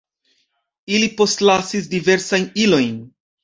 Ili postlasis diversajn ilojn.